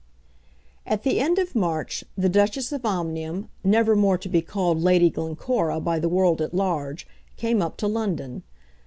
At the end of March the Duchess of Omnium, never more to be called Lady Glencora by the world at large, came up to London.